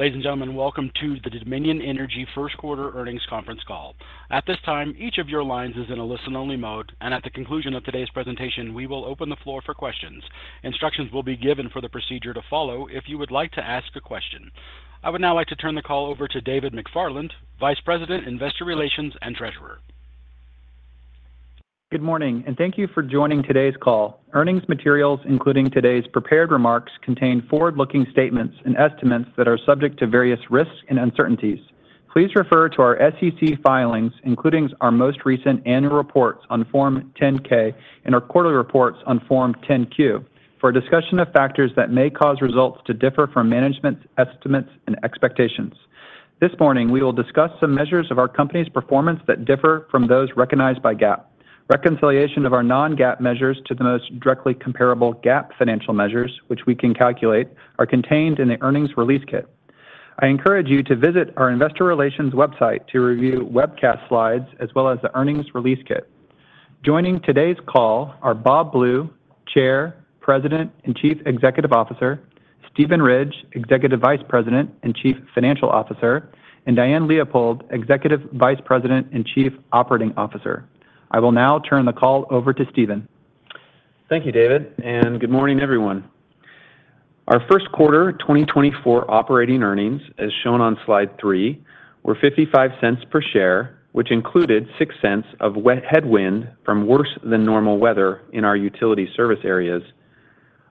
Ladies and gentlemen, welcome to the Dominion Energy First Quarter Earnings Conference Call. At this time, each of your lines is in a listen-only mode, and at the conclusion of today's presentation, we will open the floor for questions. Instructions will be given for the procedure to follow if you would like to ask a question. I would now like to turn the call over to David McFarland, Vice President, Investor Relations and Treasurer. Good morning, and thank you for joining today's call. Earnings materials, including today's prepared remarks, contain forward-looking statements and estimates that are subject to various risks and uncertainties. Please refer to our SEC filings, including our most recent annual reports on Form 10-K and our quarterly reports on Form 10-Q, for a discussion of factors that may cause results to differ from management's estimates and expectations. This morning, we will discuss some measures of our company's performance that differ from those recognized by GAAP. Reconciliation of our non-GAAP measures to the most directly comparable GAAP financial measures, which we can calculate, are contained in the Earnings Release Kit. I encourage you to visit our investor relations website to review webcast slides as well as the Earnings Release Kit. Joining today's call are Bob Blue, Chair, President, and Chief Executive Officer, Steven Ridge, Executive Vice President and Chief Financial Officer, and Diane Leopold, Executive Vice President and Chief Operating Officer. I will now turn the call over to Steven. Thank you, David, and good morning, everyone. Our first quarter 2024 operating earnings, as shown on slide three, were $0.55 per share, which included $0.06 of weather headwind from worse than normal weather in our utility service areas.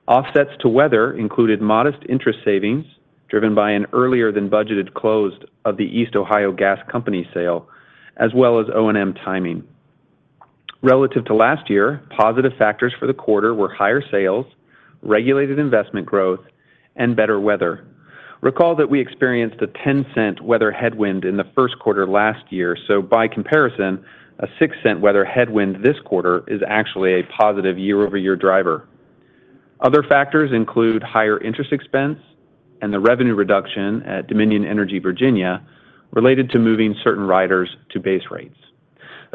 Offsets to weather included modest interest savings, driven by an earlier-than-budgeted close of the East Ohio Gas Company sale, as well as O&M timing. Relative to last year, positive factors for the quarter were higher sales, regulated investment growth, and better weather. Recall that we experienced a $0.10 weather headwind in the first quarter last year, so by comparison, a $0.06 weather headwind this quarter is actually a positive year-over-year driver. Other factors include higher interest expense and the revenue reduction at Dominion Energy Virginia related to moving certain riders to base rates.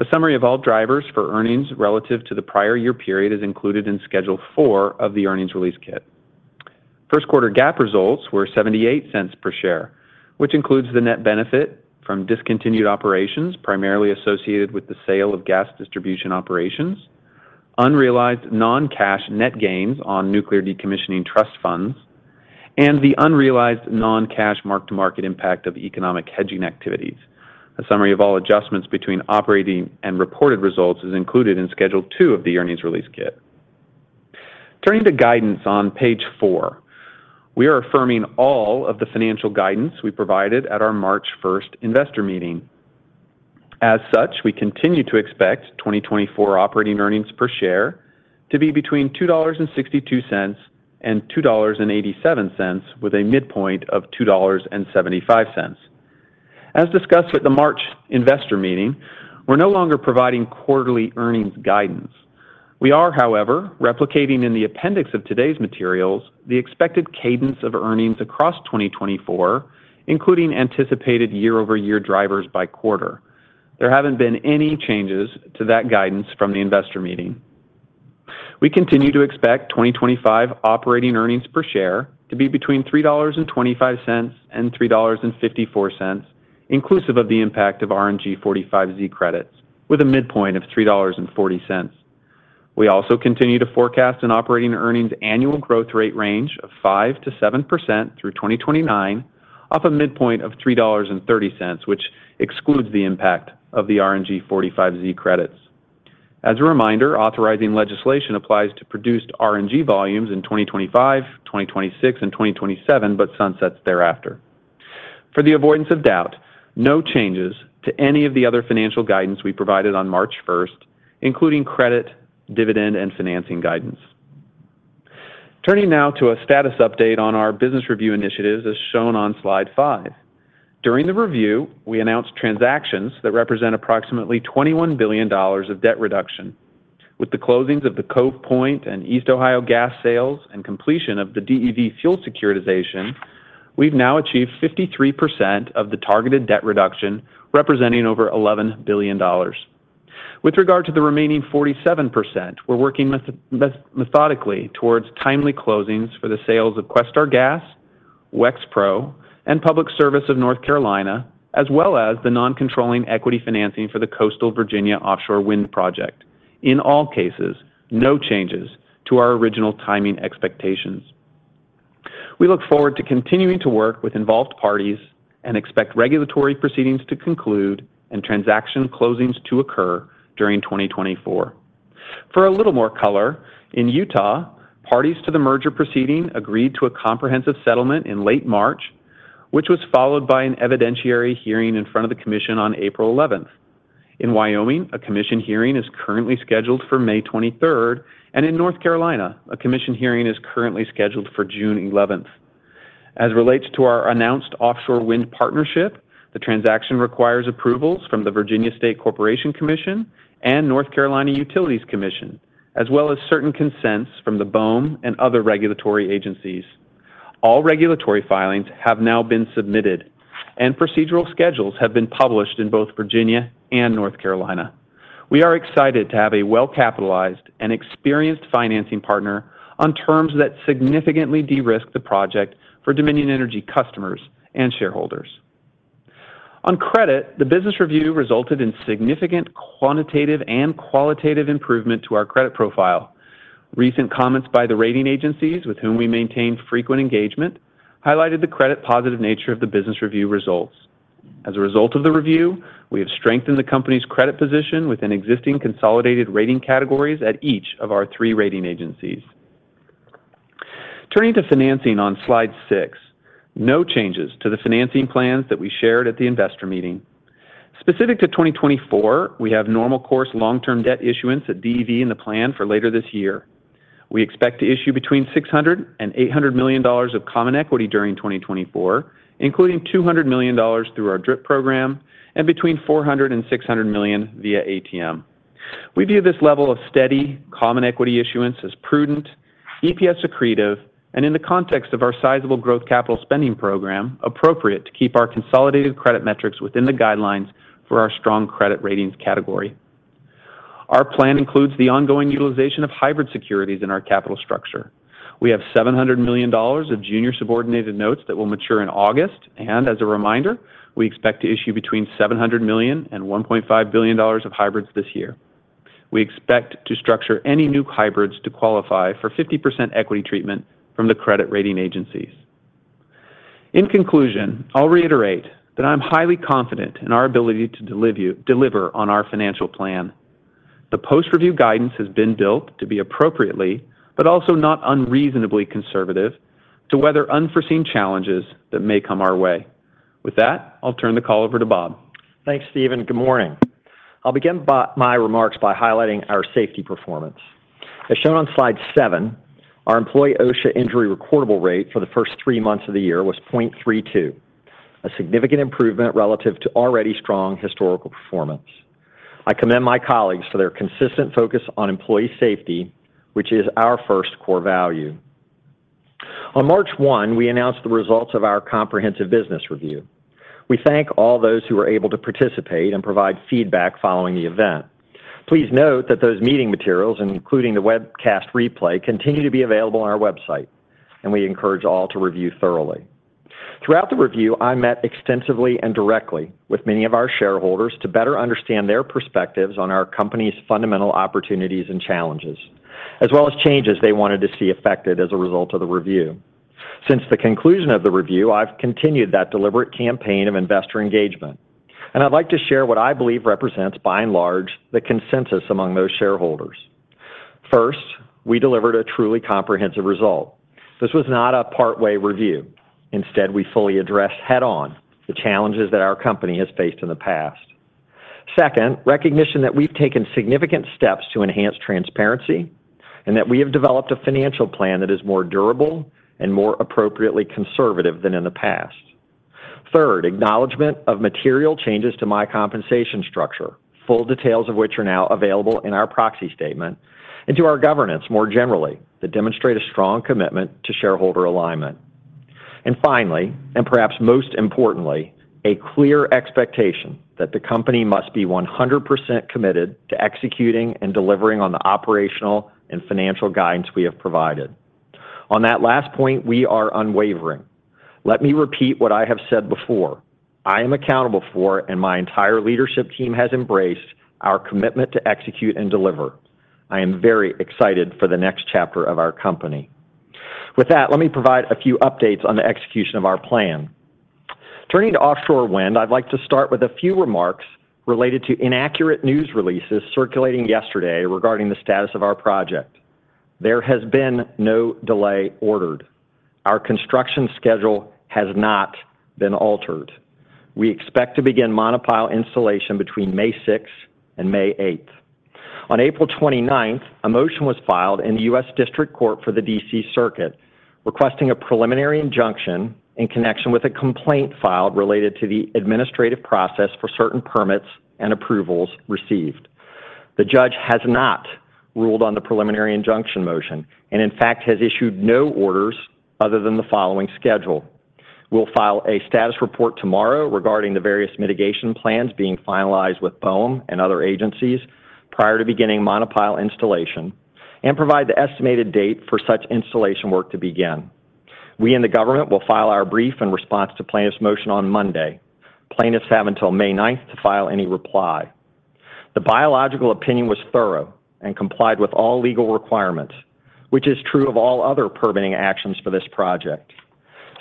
A summary of all drivers for earnings relative to the prior year period is included in Schedule 4 of the Earnings Release Kit. First quarter GAAP results were $0.78 per share, which includes the net benefit from discontinued operations, primarily associated with the sale of gas distribution operations, unrealized non-cash net gains on nuclear decommissioning trust funds, and the unrealized non-cash mark-to-market impact of economic hedging activities. A summary of all adjustments between operating and reported results is included in Schedule 2 of the Earnings Release Kit. Turning to guidance on page four. We are affirming all of the financial guidance we provided at our March 1st investor meeting. As such, we continue to expect 2024 operating earnings per share to be between $2.62 and $2.87, with a midpoint of $2.75. As discussed at the March investor meeting, we're no longer providing quarterly earnings guidance. We are, however, replicating in the appendix of today's materials the expected cadence of earnings across 2024, including anticipated year-over-year drivers by quarter. There haven't been any changes to that guidance from the investor meeting. We continue to expect 2025 operating earnings per share to be between $3.25 and $3.54, inclusive of the impact of RNG 45Z credits, with a midpoint of $3.40. We also continue to forecast an operating earnings annual growth rate range of 5%-7% through 2029, off a midpoint of $3.30, which excludes the impact of the RNG 45Z credits. As a reminder, authorizing legislation applies to produced RNG volumes in 2025, 2026, and 2027, but sunsets thereafter. For the avoidance of doubt, no changes to any of the other financial guidance we provided on March 1st, including credit, dividend, and financing guidance. Turning now to a status update on our business review initiatives, as shown on slide five. During the review, we announced transactions that represent approximately $21 billion of debt reduction. With the closings of the Cove Point and East Ohio Gas sales and completion of the DEV fuel securitization, we've now achieved 53% of the targeted debt reduction, representing over $11 billion. With regard to the remaining 47%, we're working methodically towards timely closings for the sales of Questar Gas, Wexpro, and Public Service of North Carolina, as well as the non-controlling equity financing for the Coastal Virginia Offshore Wind Project. In all cases, no changes to our original timing expectations. We look forward to continuing to work with involved parties and expect regulatory proceedings to conclude and transaction closings to occur during 2024. For a little more color, in Utah, parties to the merger proceeding agreed to a comprehensive settlement in late March, which was followed by an evidentiary hearing in front of the commission on April 11th. In Wyoming, a commission hearing is currently scheduled for May 23rd, and in North Carolina, a commission hearing is currently scheduled for June 11th. As relates to our announced offshore wind partnership, the transaction requires approvals from the Virginia State Corporation Commission and North Carolina Utilities Commission, as well as certain consents from the BOEM and other regulatory agencies. All regulatory filings have now been submitted, and procedural schedules have been published in both Virginia and North Carolina. We are excited to have a well-capitalized and experienced financing partner on terms that significantly de-risk the project for Dominion Energy customers and shareholders. On credit, the business review resulted in significant quantitative and qualitative improvement to our credit profile. Recent comments by the rating agencies, with whom we maintain frequent engagement, highlighted the credit-positive nature of the business review results. As a result of the review, we have strengthened the company's credit position within existing consolidated rating categories at each of our three rating agencies. Turning to financing on slide six, no changes to the financing plans that we shared at the investor meeting. Specific to 2024, we have normal course long-term debt issuance at DEV in the plan for later this year. We expect to issue between $600 million and $800 million of common equity during 2024, including $200 million through our DRIP program and between $400 million and $600 million via ATM. We view this level of steady common equity issuance as prudent, EPS accretive, and in the context of our sizable growth capital spending program, appropriate to keep our consolidated credit metrics within the guidelines for our strong credit ratings category. Our plan includes the ongoing utilization of hybrid securities in our capital structure. We have $700 million of junior subordinated notes that will mature in August, and as a reminder, we expect to issue between $700 million and $1.5 billion of hybrids this year. We expect to structure any new hybrids to qualify for 50% equity treatment from the credit rating agencies. In conclusion, I'll reiterate that I'm highly confident in our ability to deliver on our financial plan. The post-review guidance has been built to be appropriately, but also not unreasonably conservative, to weather unforeseen challenges that may come our way. With that, I'll turn the call over to Bob. Thanks, Steven. Good morning. I'll begin my remarks by highlighting our safety performance. As shown on slide seven, our employee OSHA injury recordable rate for the first three months of the year was 0.32, a significant improvement relative to already strong historical performance. I commend my colleagues for their consistent focus on employee safety, which is our first core value. On March 1, we announced the results of our comprehensive business review. We thank all those who were able to participate and provide feedback following the event. Please note that those meeting materials, including the webcast replay, continue to be available on our website, and we encourage all to review thoroughly. Throughout the review, I met extensively and directly with many of our shareholders to better understand their perspectives on our company's fundamental opportunities and challenges, as well as changes they wanted to see affected as a result of the review. Since the conclusion of the review, I've continued that deliberate campaign of investor engagement, and I'd like to share what I believe represents, by and large, the consensus among those shareholders. First, we delivered a truly comprehensive result. This was not a part-way review. Instead, we fully addressed head-on the challenges that our company has faced in the past. Second, recognition that we've taken significant steps to enhance transparency and that we have developed a financial plan that is more durable and more appropriately conservative than in the past. Third, acknowledgment of material changes to my compensation structure, full details of which are now available in our proxy statement and to our governance more generally, that demonstrate a strong commitment to shareholder alignment. And finally, and perhaps most importantly, a clear expectation that the company must be 100% committed to executing and delivering on the operational and financial guidance we have provided. On that last point, we are unwavering. Let me repeat what I have said before: I am accountable for, and my entire leadership team has embraced, our commitment to execute and deliver. I am very excited for the next chapter of our company. With that, let me provide a few updates on the execution of our plan. Turning to offshore wind, I'd like to start with a few remarks related to inaccurate news releases circulating yesterday regarding the status of our project. There has been no delay ordered. Our construction schedule has not been altered. We expect to begin monopile installation between May 6 and May 8. On April 29th, a motion was filed in the U.S. District Court for the D.C. Circuit, requesting a preliminary injunction in connection with a complaint filed related to the administrative process for certain permits and approvals received. The judge has not ruled on the preliminary injunction motion, and in fact, has issued no orders other than the following schedule. We'll file a status report tomorrow regarding the various mitigation plans being finalized with BOEM and other agencies prior to beginning monopile installation and provide the estimated date for such installation work to begin. We and the government will file our brief in response to plaintiffs' motion on Monday. Plaintiffs have until May 9th to file any reply. The biological opinion was thorough and complied with all legal requirements, which is true of all other permitting actions for this project.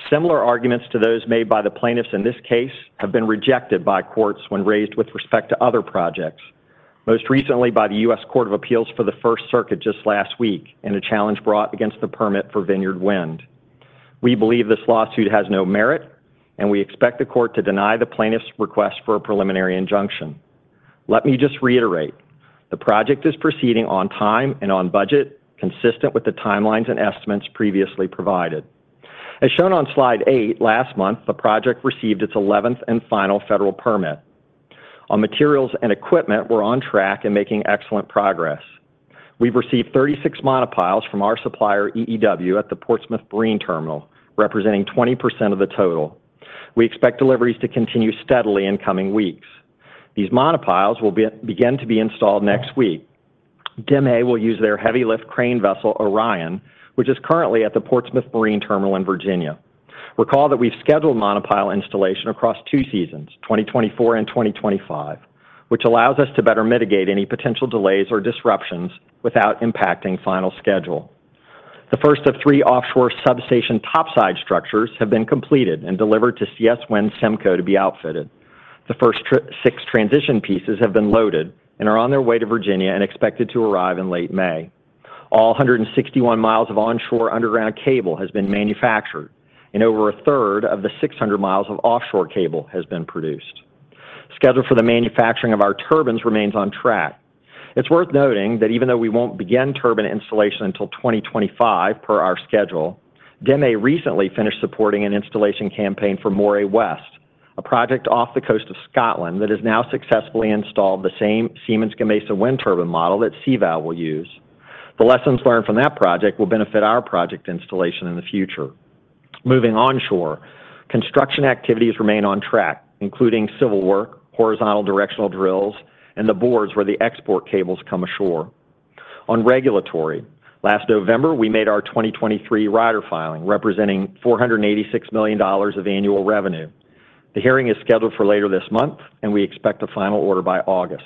Similar arguments to those made by the plaintiffs in this case have been rejected by courts when raised with respect to other projects, most recently by the U.S. Court of Appeals for the First Circuit just last week in a challenge brought against the permit for Vineyard Wind. We believe this lawsuit has no merit, and we expect the court to deny the plaintiffs' request for a preliminary injunction. Let me just reiterate, the project is proceeding on time and on budget, consistent with the timelines and estimates previously provided. As shown on slide eight, last month, the project received its eleventh and final federal permit. On materials and equipment, we're on track and making excellent progress. We've received 36 monopiles from our supplier, EEW, at the Portsmouth Marine Terminal, representing 20% of the total. We expect deliveries to continue steadily in coming weeks. These monopiles will begin to be installed next week. DEME will use their heavy lift crane vessel, Orion, which is currently at the Portsmouth Marine Terminal in Virginia. Recall that we've scheduled monopile installation across two seasons, 2024 and 2025, which allows us to better mitigate any potential delays or disruptions without impacting final schedule. The first of three offshore substation topside structures have been completed and delivered to CS Wind Semco to be outfitted. Six transition pieces have been loaded and are on their way to Virginia and expected to arrive in late May. All 161 miles of onshore underground cable has been manufactured, and over a third of the 600 miles of offshore cable has been produced. Schedule for the manufacturing of our turbines remains on track. It's worth noting that even though we won't begin turbine installation until 2025, per our schedule, DEME recently finished supporting an installation campaign for Moray West, a project off the coast of Scotland that has now successfully installed the same Siemens Gamesa wind turbine model that CVOW will use. The lessons learned from that project will benefit our project installation in the future. Moving onshore, construction activities remain on track, including civil work, horizontal directional drills, and the bores where the export cables come ashore. On regulatory, last November, we made our 2023 rider filing, representing $486 million of annual revenue. The hearing is scheduled for later this month, and we expect a final order by August.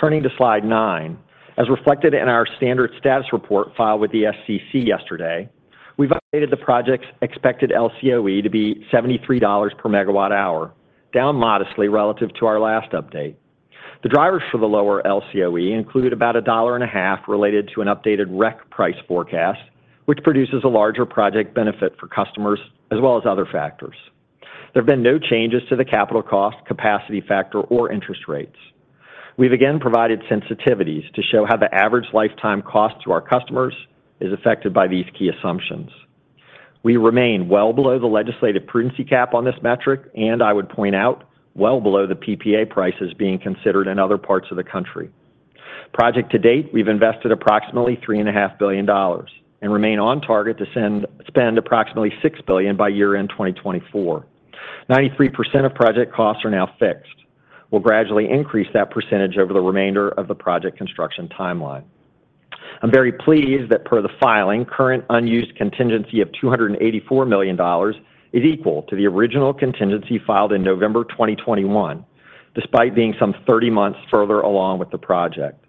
Turning to slide nine, as reflected in our standard status report filed with the SCC yesterday, we've updated the project's expected LCOE to be $73 per MWh, down modestly relative to our last update. The drivers for the lower LCOE included about $1.50 related to an updated REC price forecast, which produces a larger project benefit for customers as well as other factors. There have been no changes to the capital cost, capacity factor, or interest rates. We've again provided sensitivities to show how the average lifetime cost to our customers is affected by these key assumptions. We remain well below the legislative prudency cap on this metric, and I would point out, well below the PPA prices being considered in other parts of the country. Project to date, we've invested approximately $3.5 billion and remain on target to spend approximately $6 billion by year-end 2024. 93% of project costs are now fixed. We'll gradually increase that percentage over the remainder of the project construction timeline. I'm very pleased that per the filing, current unused contingency of $284 million is equal to the original contingency filed in November 2021, despite being some 30 months further along with the project.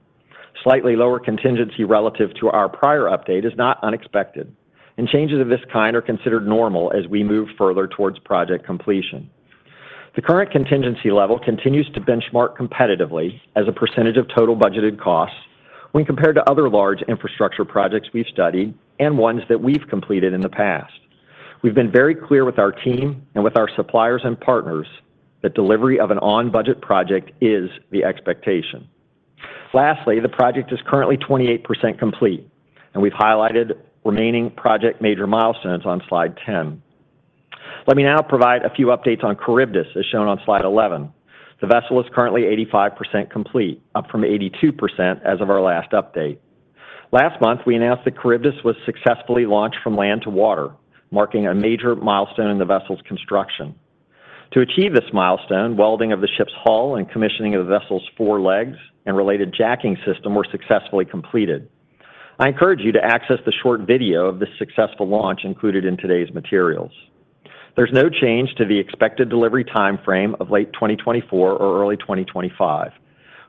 Slightly lower contingency relative to our prior update is not unexpected, and changes of this kind are considered normal as we move further towards project completion. The current contingency level continues to benchmark competitively as a percentage of total budgeted costs when compared to other large infrastructure projects we've studied and ones that we've completed in the past. We've been very clear with our team and with our suppliers and partners that delivery of an on-budget project is the expectation. Lastly, the project is currently 28% complete, and we've highlighted remaining project major milestones on slide 10. Let me now provide a few updates on Charybdis, as shown on slide 11. The vessel is currently 85% complete, up from 82% as of our last update. Last month, we announced that Charybdis was successfully launched from land to water, marking a major milestone in the vessel's construction. To achieve this milestone, welding of the ship's hull and commissioning of the vessel's four legs and related jacking system were successfully completed. I encourage you to access the short video of this successful launch included in today's materials. There's no change to the expected delivery timeframe of late 2024 or early 2025,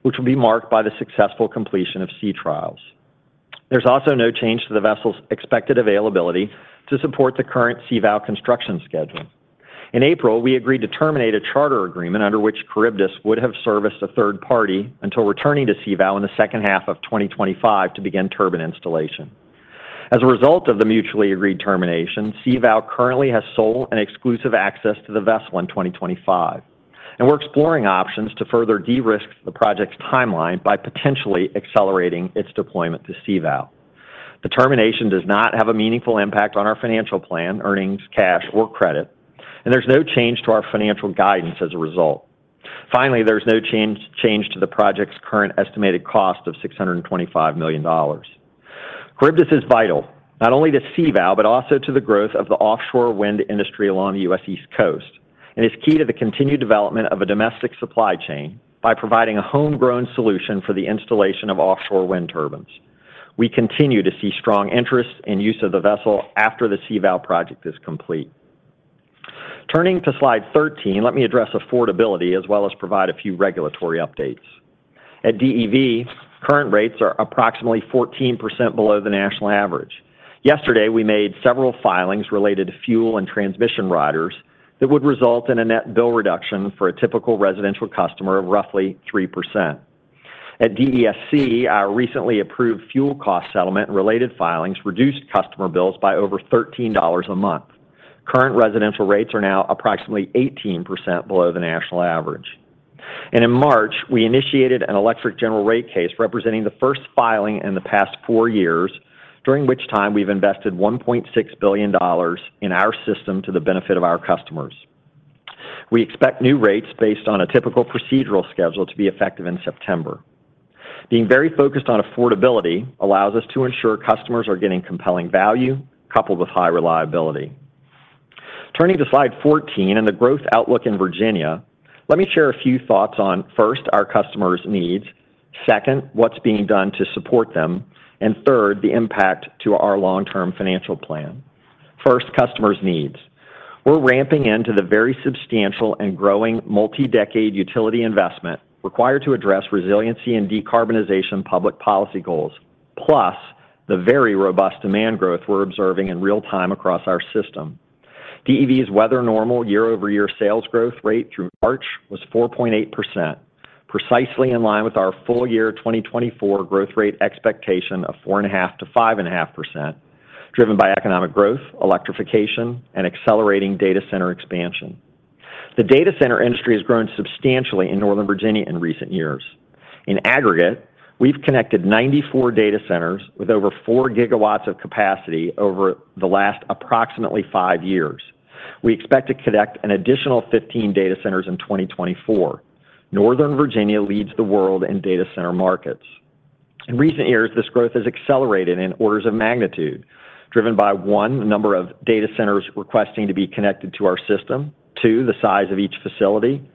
which will be marked by the successful completion of sea trials. There's also no change to the vessel's expected availability to support the current CVOW construction schedule. In April, we agreed to terminate a charter agreement under which Charybdis would have serviced a third party until returning to CVOW in the second half of 2025 to begin turbine installation. As a result of the mutually agreed termination, CVOW currently has sole and exclusive access to the vessel in 2025, and we're exploring options to further de-risk the project's timeline by potentially accelerating its deployment to CVOW. The termination does not have a meaningful impact on our financial plan, earnings, cash, or credit, and there's no change to our financial guidance as a result. Finally, there's no change to the project's current estimated cost of $625 million. Charybdis is vital, not only to CVOW, but also to the growth of the offshore wind industry along the U.S. East Coast, and is key to the continued development of a domestic supply chain by providing a homegrown solution for the installation of offshore wind turbines. We continue to see strong interest and use of the vessel after the CVOW project is complete. Turning to slide 13, let me address affordability as well as provide a few regulatory updates. At DEV, current rates are approximately 14% below the national average. Yesterday, we made several filings related to fuel and transmission riders that would result in a net bill reduction for a typical residential customer of roughly 3%. At DESC, our recently approved fuel cost settlement and related filings reduced customer bills by over $13 a month. Current residential rates are now approximately 18% below the national average. In March, we initiated an electric general rate case representing the first filing in the past four years, during which time we've invested $1.6 billion in our system to the benefit of our customers. We expect new rates based on a typical procedural schedule to be effective in September. Being very focused on affordability allows us to ensure customers are getting compelling value, coupled with high reliability. Turning to slide 14 and the growth outlook in Virginia, let me share a few thoughts on first, our customers' needs, second, what's being done to support them, and third, the impact to our long-term financial plan. First, customers' needs. We're ramping into the very substantial and growing multi-decade utility investment required to address resiliency and decarbonization public policy goals, plus the very robust demand growth we're observing in real time across our system. DEV's weather normal year-over-year sales growth rate through March was 4.8%, precisely in line with our full year 2024 growth rate expectation of 4.5%-5.5%, driven by economic growth, electrification, and accelerating data center expansion. The data center industry has grown substantially in Northern Virginia in recent years. In aggregate, we've connected 94 data centers with over 4 GW of capacity over the last approximately five years. We expect to connect an additional 15 data centers in 2024. Northern Virginia leads the world in data center markets. In recent years, this growth has accelerated in orders of magnitude, driven by, one, the number of data centers requesting to be connected to our system, two, the size of each facility,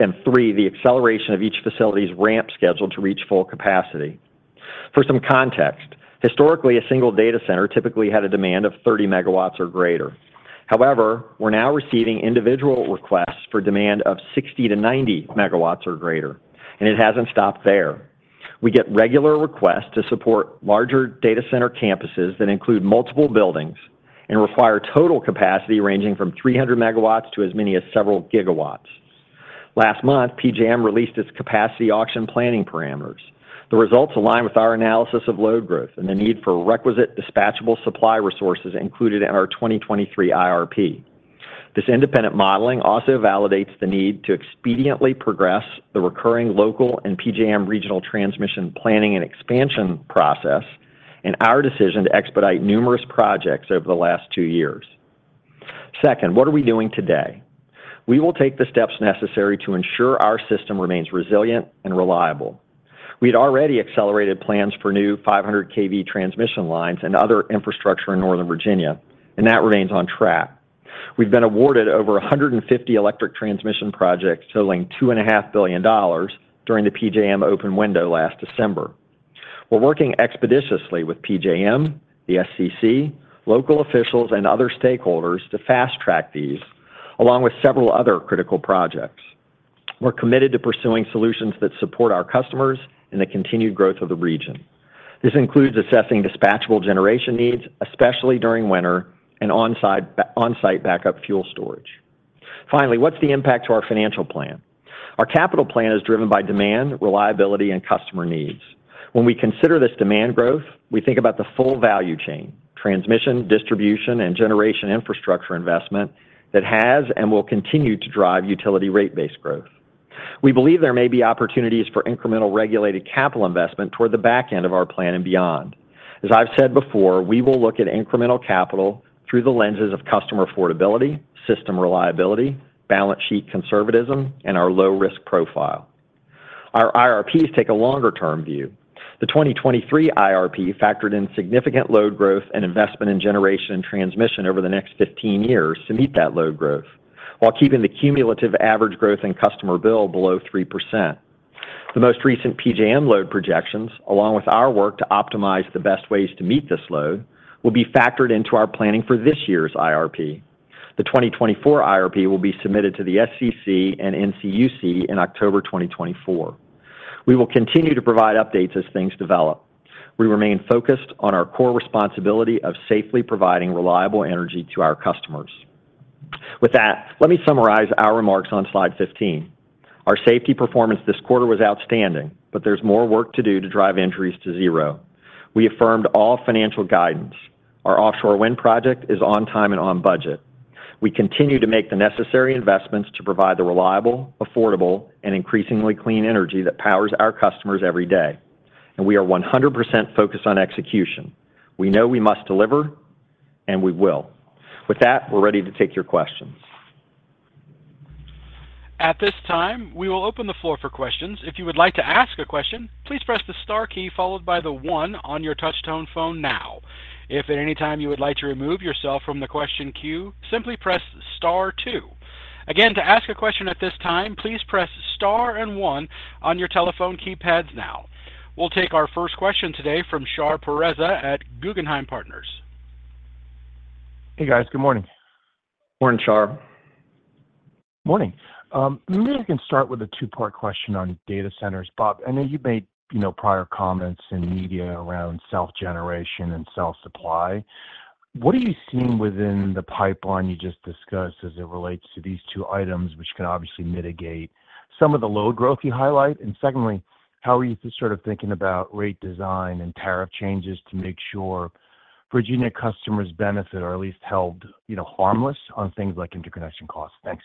and three, the acceleration of each facility's ramp schedule to reach full capacity. For some context, historically, a single data center typically had a demand of 30 or greater. However, we're now receiving individual requests for demand of 60-90 MW or greater, and it hasn't stopped there. We get regular requests to support larger data center campuses that include multiple buildings and require total capacity ranging from 300 MW to as many as several gigawatts. Last month, PJM released its capacity auction planning parameters. The results align with our analysis of load growth and the need for requisite dispatchable supply resources included in our 2023 IRP. This independent modeling also validates the need to expediently progress the recurring local and PJM regional transmission planning and expansion process, and our decision to expedite numerous projects over the last 2 years. Second, what are we doing today? We will take the steps necessary to ensure our system remains resilient and reliable. We'd already accelerated plans for new 500 kV transmission lines and other infrastructure in Northern Virginia, and that remains on track. We've been awarded over 150 electric transmission projects totaling $2.5 billion during the PJM open window last December. We're working expeditiously with PJM, the SEC, local officials, and other stakeholders to fast-track these, along with several other critical projects. We're committed to pursuing solutions that support our customers and the continued growth of the region. This includes assessing dispatchable generation needs, especially during winter and on-site backup fuel storage. Finally, what's the impact to our financial plan? Our capital plan is driven by demand, reliability, and customer needs. When we consider this demand growth, we think about the full value chain: transmission, distribution, and generation infrastructure investment that has and will continue to drive utility rate-based growth. We believe there may be opportunities for incremental regulated capital investment toward the back end of our plan and beyond. As I've said before, we will look at incremental capital through the lenses of customer affordability, system reliability, balance sheet conservatism, and our low-risk profile. Our IRPs take a longer-term view. The 2023 IRP factored in significant load growth and investment in generation and transmission over the next 15 years to meet that load growth, while keeping the cumulative average growth in customer bill below 3%. The most recent PJM load projections, along with our work to optimize the best ways to meet this load, will be factored into our planning for this year's IRP. The 2024 IRP will be submitted to the SCC and NCUC in October 2024. We will continue to provide updates as things develop. We remain focused on our core responsibility of safely providing reliable energy to our customers. With that, let me summarize our remarks on slide 15. Our safety performance this quarter was outstanding, but there's more work to do to drive injuries to zero. We affirmed all financial guidance. Our offshore wind project is on time and on budget. We continue to make the necessary investments to provide the reliable, affordable, and increasingly clean energy that powers our customers every day, and we are 100% focused on execution. We know we must deliver, and we will. With that, we're ready to take your questions. At this time, we will open the floor for questions. If you would like to ask a question, please press the star key followed by the one on your touch tone phone now. If at any time you would like to remove yourself from the question queue, simply press star two. Again, to ask a question at this time, please press star and one on your telephone keypads now. We'll take our first question today from Shar Pourreza at Guggenheim Partners. Hey, guys. Good morning. Morning, Shar. Morning. Maybe I can start with a two-part question on data centers. Bob, I know you've made prior comments in media around self-generation and self-supply. What are you seeing within the pipeline you just discussed as it relates to these two items, which can obviously mitigate some of the load growth you highlight? And secondly, how are you sort of thinking about rate design and tariff changes to make sure Virginia customers benefit or at least held, you know, harmless on things like interconnection costs? Thanks.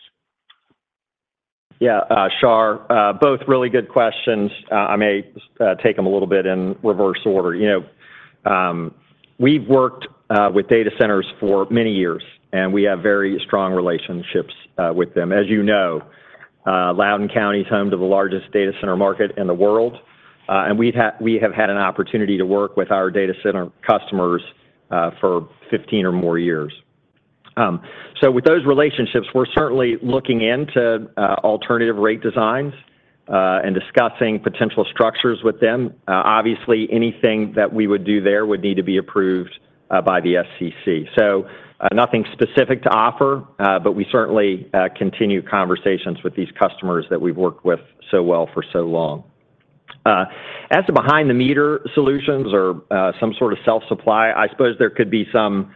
Yeah, Shar, both really good questions. I may take them a little bit in reverse order. You know, we've worked with data centers for many years, and we have very strong relationships with them. As you know, Loudoun County is home to the largest data center market in the world, and we have had an opportunity to work with our data center customers for 15 or more years. So with those relationships, we're certainly looking into alternative rate designs and discussing potential structures with them. Obviously, anything that we would do there would need to be approved by the SCC. So, nothing specific to offer, but we certainly continue conversations with these customers that we've worked with so well for so long. As to behind-the-meter solutions or some sort of self-supply, I suppose there could be some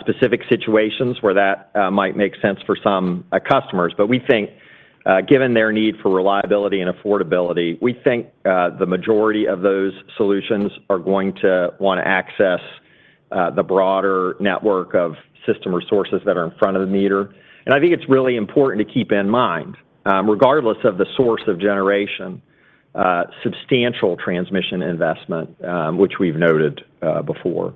specific situations where that might make sense for some customers. But we think, given their need for reliability and affordability, we think the majority of those solutions are going to want to access the broader network of system resources that are in front of the meter. And I think it's really important to keep in mind, regardless of the source of generation, substantial transmission investment, which we've noted before.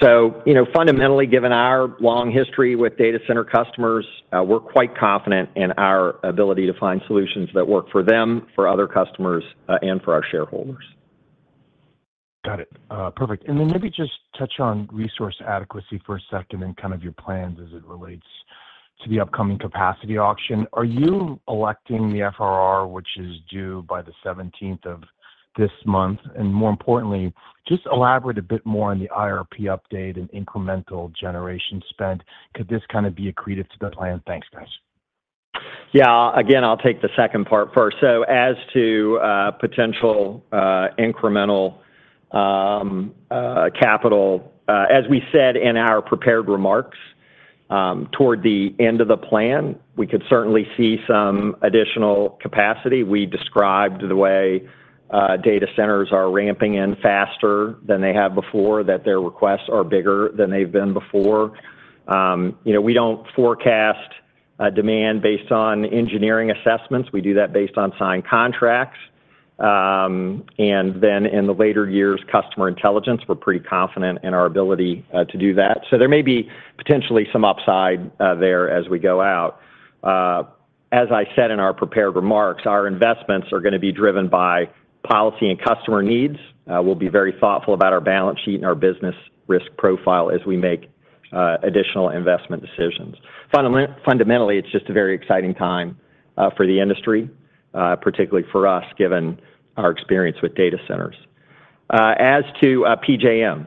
So, you know, fundamentally, given our long history with data center customers, we're quite confident in our ability to find solutions that work for them, for other customers, and for our shareholders. Got it. Perfect. And then maybe just touch on resource adequacy for a second and kind of your plans as it relates to the upcoming capacity auction. Are you electing the FRR, which is due by the seventeenth of this month? And more importantly, just elaborate a bit more on the IRP update and incremental generation spend. Could this kind of be accreted to the plan? Thanks, guys. Yeah. Again, I'll take the second part first. So as to potential incremental capital, as we said in our prepared remarks, toward the end of the plan, we could certainly see some additional capacity. We described the way data centers are ramping in faster than they have before, that their requests are bigger than they've been before. You know, we don't forecast demand based on engineering assessments. We do that based on signed contracts. And then in the later years, customer intelligence, we're pretty confident in our ability to do that. So there may be potentially some upside there as we go out. As I said in our prepared remarks, our investments are going to be driven by policy and customer needs. We'll be very thoughtful about our balance sheet and our business risk profile as we make additional investment decisions. Fundamentally, it's just a very exciting time for the industry, particularly for us, given our experience with data centers. As to PJM,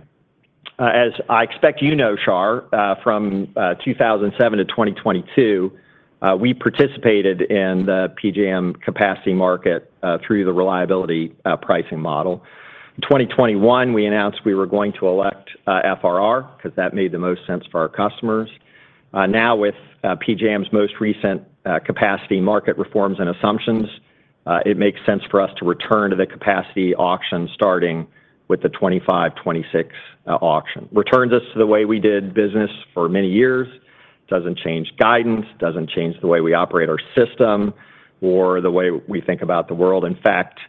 as I expect you know, Shar, from 2007 to 2022, we participated in the PJM capacity market through the Reliability Pricing Model. In 2021, we announced we were going to elect FRR because that made the most sense for our customers. Now, with PJM's most recent capacity market reforms and assumptions, it makes sense for us to return to the capacity auction, starting with the 2025-2026 auction. Returns us to the way we did business for many years. Doesn't change guidance, doesn't change the way we operate our system or the way we think about the world. In fact,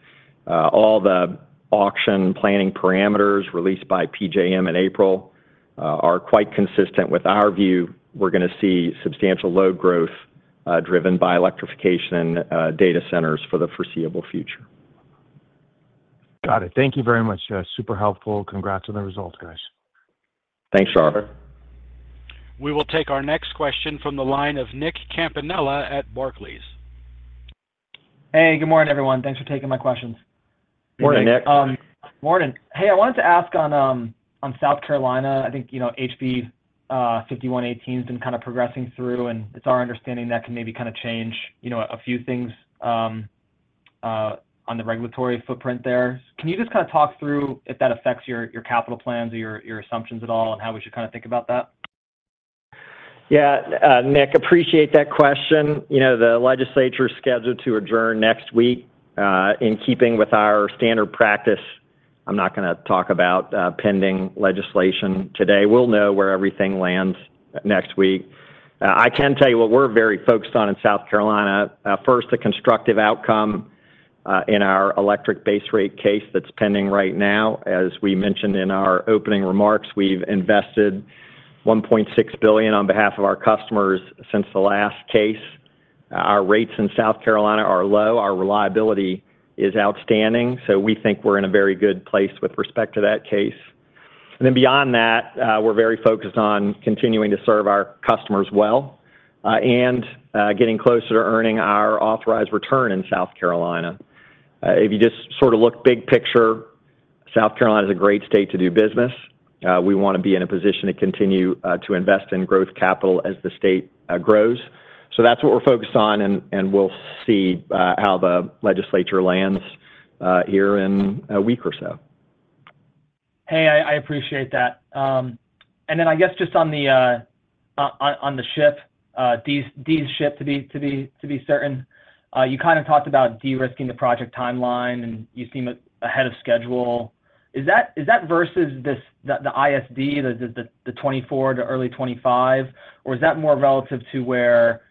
all the auction planning parameters released by PJM in April are quite consistent with our view. We're going to see substantial load growth, driven by electrification and data centers for the foreseeable future. Got it. Thank you very much, super helpful. Congrats on the results, guys. Thanks, Shar. We will take our next question from the line of Nick Campanella at Barclays. Hey, good morning, everyone. Thanks for taking my questions. Morning, Nick. Morning! Hey, I wanted to ask on South Carolina. I think, you know, HB 5118 has been kind of progressing through, and it's our understanding that can maybe kind of change, you know, a few things on the regulatory footprint there. Can you just kind of talk through if that affects your capital plans or your assumptions at all, and how we should kind of think about that? Yeah, Nick, appreciate that question. You know, the legislature is scheduled to adjourn next week. In keeping with our standard practice, I'm not going to talk about pending legislation today. We'll know where everything lands next week. I can tell you what we're very focused on in South Carolina. First, a constructive outcome in our electric base rate case that's pending right now. As we mentioned in our opening remarks, we've invested $1.6 billion on behalf of our customers since the last case. Our rates in South Carolina are low. Our reliability is outstanding, so we think we're in a very good place with respect to that case. And then beyond that, we're very focused on continuing to serve our customers well and getting closer to earning our authorized return in South Carolina. If you just sort of look big picture, South Carolina is a great state to do business. We want to be in a position to continue to invest in growth capital as the state grows. So that's what we're focused on, and we'll see how the legislature lands here in a week or so. Hey, I appreciate that. And then I guess just on the ship to be certain, you kind of talked about de-risking the project timeline, and you seem ahead of schedule. Is that versus this, the ISD, the 2024 to early 2025? Or is that more relative to where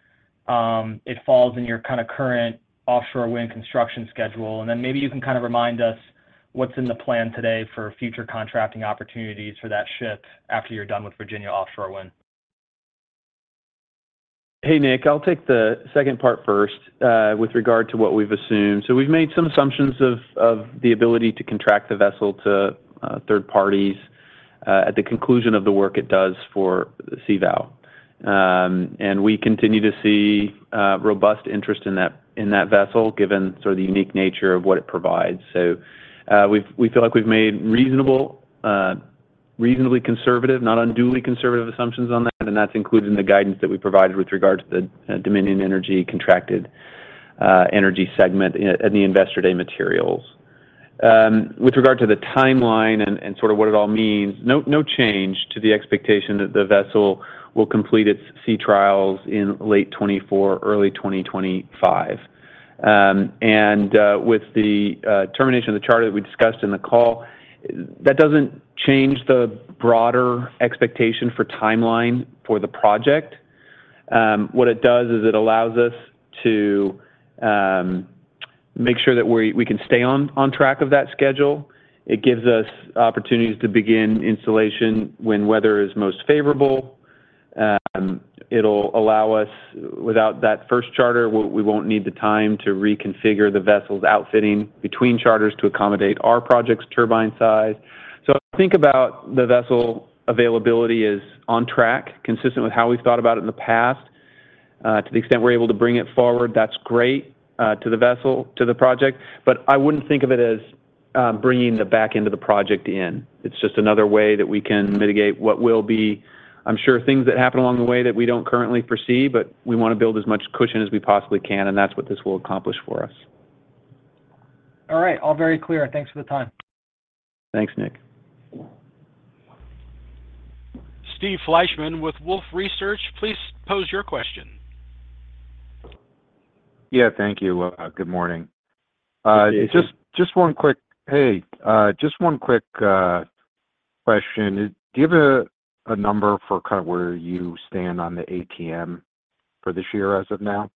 it falls in your kind of current offshore wind construction schedule? And then maybe you can kind of remind us what's in the plan today for future contracting opportunities for that ship after you're done with Virginia offshore wind. Hey, Nick, I'll take the second part first, with regard to what we've assumed. So we've made some assumptions of the ability to contract the vessel to third parties at the conclusion of the work it does for CVOW. And we continue to see robust interest in that vessel, given sort of the unique nature of what it provides. So, we feel like we've made reasonable, reasonably conservative, not unduly conservative assumptions on that, and that's included in the guidance that we provided with regard to the Dominion Energy Contracted Energy segment in the Investor Day materials. With regard to the timeline and sort of what it all means, no change to the expectation that the vessel will complete its sea trials in late 2024, early 2025. With the termination of the charter that we discussed in the call, that doesn't change the broader expectation for timeline for the project. What it does is it allows us to make sure that we can stay on track of that schedule. It gives us opportunities to begin installation when weather is most favorable. It'll allow us, without that first charter, we won't need the time to reconfigure the vessel's outfitting between charters to accommodate our project's turbine size. So think about the vessel availability as on track, consistent with how we've thought about it in the past. To the extent we're able to bring it forward, that's great, to the vessel, to the project, but I wouldn't think of it as bringing the back end of the project in. It's just another way that we can mitigate what will be, I'm sure, things that happen along the way that we don't currently foresee, but we want to build as much cushion as we possibly can, and that's what this will accomplish for us. All right. All very clear. Thanks for the time. Thanks, Nick. Steve Fleishman with Wolfe Research, please pose your question. Yeah, thank you. Good morning. Good day. Just one quick question. Do you have a number for kind of where you stand on the ATM for this year as of now?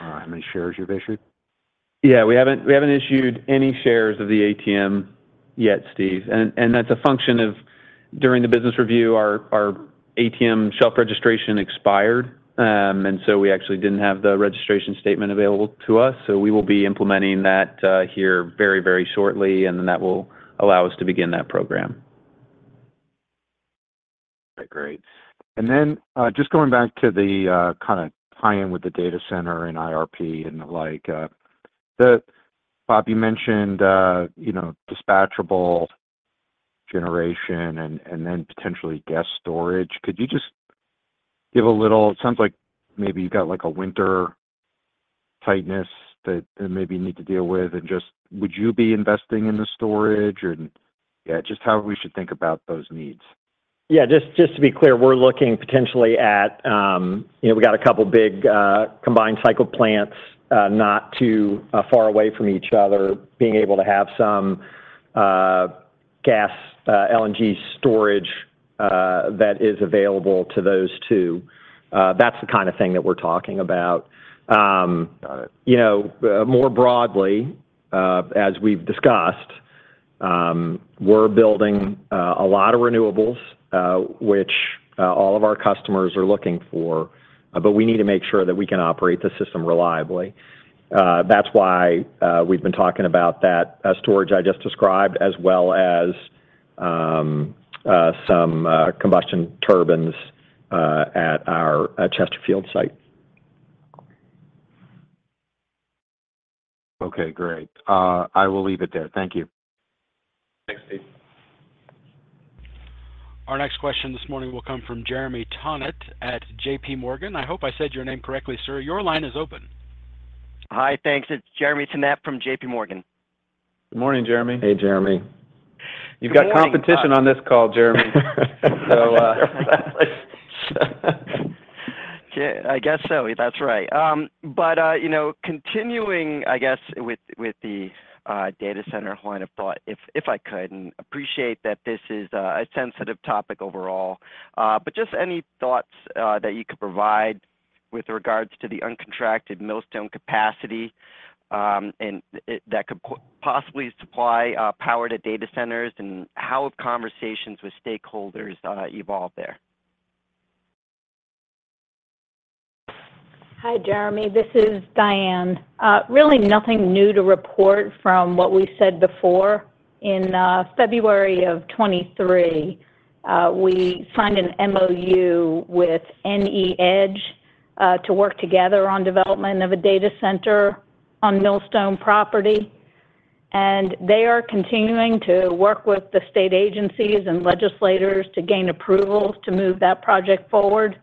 How many shares you've issued? Yeah, we haven't issued any shares of the ATM yet, Steve. And that's a function of, during the business review, our ATM shelf registration expired, and so we actually didn't have the registration statement available to us. So we will be implementing that here very, very shortly, and then that will allow us to begin that program. Okay, great. And then, just going back to the kind of tie in with the data center and IRP and the like, Bob, you mentioned, you know, dispatchable generation and then potentially gas storage. Could you just give a little. It sounds like maybe you've got, like, a winter tightness that maybe you need to deal with, and just would you be investing in the storage? And, yeah, just how we should think about those needs. Yeah, just, just to be clear, we're looking potentially at, you know, we got a couple big combined cycle plants, not too far away from each other, being able to have some gas LNG storage that is available to those two. That's the kind of thing that we're talking about. Got it. You know, more broadly, as we've discussed, we're building a lot of renewables, which all of our customers are looking for, but we need to make sure that we can operate the system reliably. That's why we've been talking about that storage I just described, as well as some combustion turbines at our Chesterfield site. Okay, great. I will leave it there. Thank you. Thanks, Steve. Our next question this morning will come from Jeremy Tonet at JP Morgan. I hope I said your name correctly, sir. Your line is open. Hi, thanks. It's Jeremy Tonet from JP Morgan. Good morning, Jeremy. Hey, Jeremy. Good morning. You've got competition on this call, Jeremy. Okay, I guess so. That's right. But you know, continuing, I guess, with the data center line of thought, if I could, and appreciate that this is a sensitive topic overall, but just any thoughts that you could provide with regards to the uncontracted Millstone capacity, and that could possibly supply power to data centers, and how have conversations with stakeholders evolved there? Hi, Jeremy, this is Diane. Really nothing new to report from what we said before. In February of 2023, we signed an MOU with NE Edge to work together on development of a data center on Millstone property, and they are continuing to work with the state agencies and legislators to gain approval to move that project forward.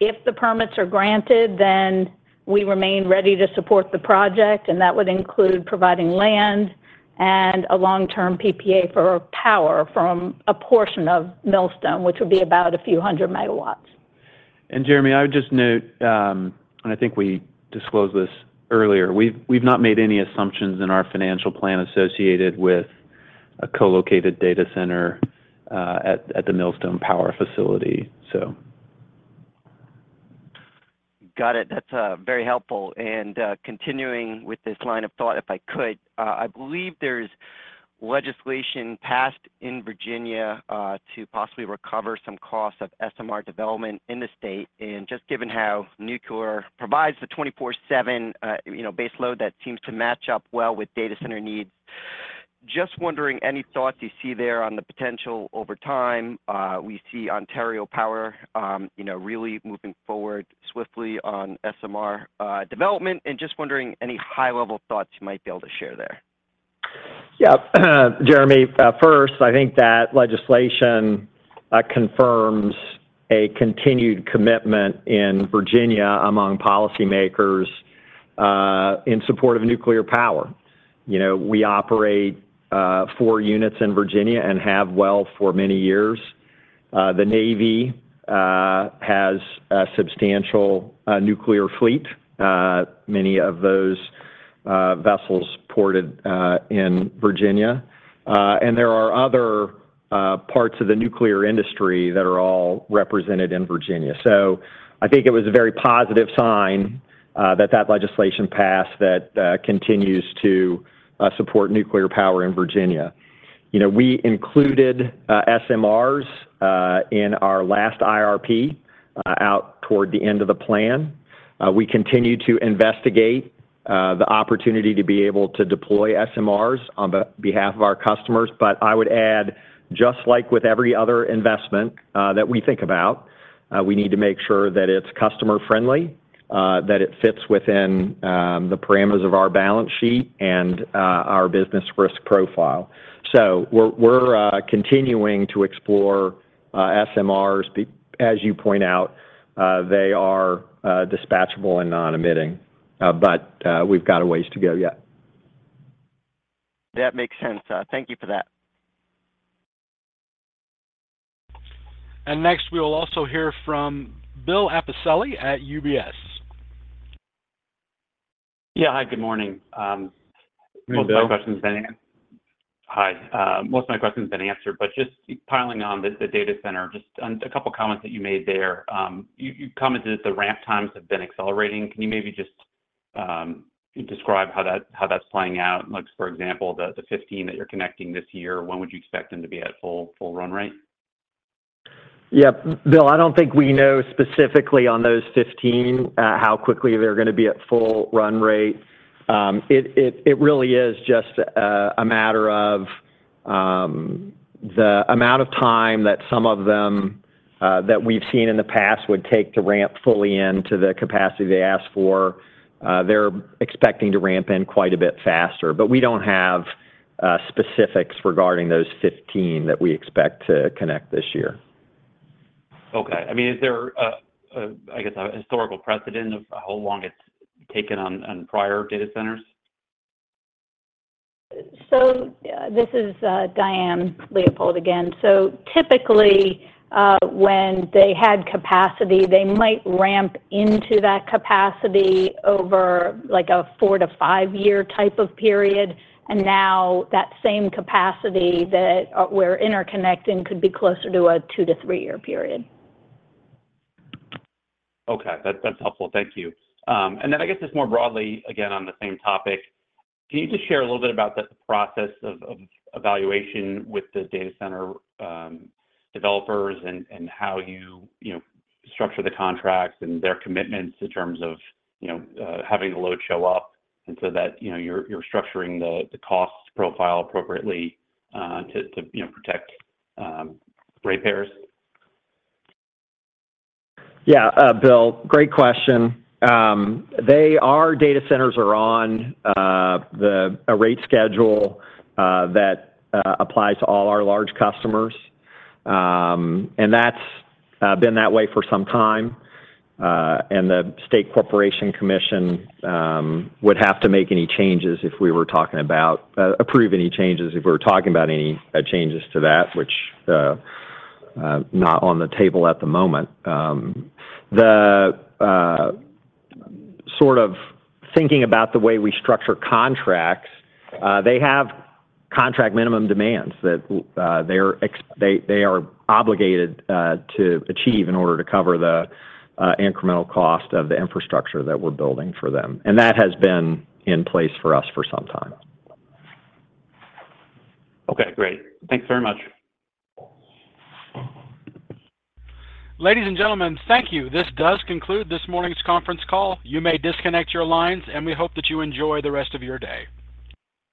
If the permits are granted, then we remain ready to support the project, and that would include providing land and a long-term PPA for power from a portion of Millstone, which would be about a few hundred megawatts. And Jeremy, I would just note, and I think we disclosed this earlier, we've not made any assumptions in our financial plan associated with a co-located data center at the Millstone Power Station, so. Got it. That's very helpful. And continuing with this line of thought, if I could, I believe there's legislation passed in Virginia to possibly recover some costs of SMR development in the state. And just given how nuclear provides the 24/7, you know, base load that seems to match up well with data center needs, just wondering, any thoughts you see there on the potential over time? We see Ontario Power, you know, really moving forward swiftly on SMR development, and just wondering, any high-level thoughts you might be able to share there? Yeah, Jeremy, first, I think that legislation confirms a continued commitment in Virginia among policymakers in support of nuclear power. You know, we operate four units in Virginia and have well for many years. The Navy has a substantial nuclear fleet, many of those vessels ported in Virginia. And there are other parts of the nuclear industry that are all represented in Virginia. So I think it was a very positive sign that that legislation passed that continues to support nuclear power in Virginia. You know, we included SMRs in our last IRP out toward the end of the plan. We continue to investigate the opportunity to be able to deploy SMRs on behalf of our customers. But I would add, just like with every other investment, that we think about, we need to make sure that it's customer friendly, that it fits within the parameters of our balance sheet, and our business risk profile. So we're continuing to explore SMRs. As you point out, they are dispatchable and non-emitting, but we've got a ways to go yet. That makes sense. Thank you for that. Next, we will also hear from Bill Appicelli at UBS. Yeah. Hi, good morning. Good morning, Bill. Hi, most of my questions have been answered, but just piling on the data center, just a couple of comments that you made there. You commented that the ramp times have been accelerating. Can you maybe just describe how that's playing out? Like, for example, the 15 that you're connecting this year, when would you expect them to be at full run rate? Yeah, Bill, I don't think we know specifically on those 15, how quickly they're going to be at full run rate. It really is just a matter of the amount of time that some of them that we've seen in the past would take to ramp fully into the capacity they ask for. They're expecting to ramp in quite a bit faster, but we don't have specifics regarding those 15 that we expect to connect this year. Okay. I mean, is there a, I guess, a historical precedent of how long it's taken on prior data centers? So this is, Diane Leopold again. So typically, when they had capacity, they might ramp into that capacity over, like, a 4- to 5-year type of period. And now that same capacity that we're interconnecting could be closer to a 2- to 3-year period. Okay. That's helpful. Thank you. And then I guess just more broadly, again, on the same topic, can you just share a little bit about the process of evaluation with the data center developers and how you know structure the contracts and their commitments in terms of you know having the load show up and so that you know you're structuring the cost profile appropriately to you know protect ratepayers? Yeah, Bill, great question. Data centers are on a rate schedule that applies to all our large customers. And that's been that way for some time. And the State Corporation Commission would have to make any changes if we were talking about approve any changes, if we were talking about any changes to that, which not on the table at the moment. The sort of thinking about the way we structure contracts, they have contract minimum demands that they are obligated to achieve in order to cover the incremental cost of the infrastructure that we're building for them. And that has been in place for us for some time. Okay, great. Thank you very much. Ladies and gentlemen, thank you. This does conclude this morning's conference call. You may disconnect your lines, and we hope that you enjoy the rest of your day.